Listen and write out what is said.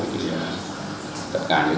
cảm ơn các bạn